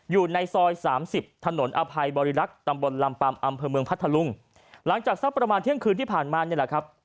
อยู่ในซอยสามสิบถนนอภัยบริรักษ์ตำบลลำปัมอำเภอเมืองพัทธลุงหลังจากสักประมาณเที่ยงคืนที่ผ่านมานี่แหละครับ